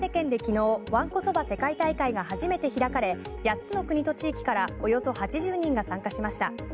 岩手県で昨日わんこそば世界大会が初めて開かれ８つの国と地域からおよそ８０人が参加しました。